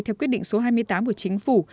theo quyết định số hai mươi tám của chính phủ